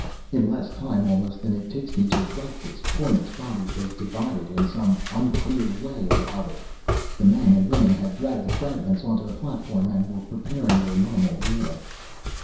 In less time almost than it takes me to write this, Pornic's body was divided, in some unclear way or other; the men and women had dragged the fragments on to the platform and were preparing their normal meal.